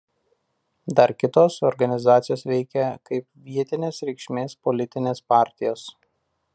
Dar kitos organizacijos veikia kaip vietinės reikšmės politinės partijos.